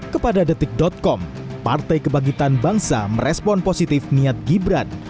kepada detik com partai kebangkitan bangsa merespon positif niat gibran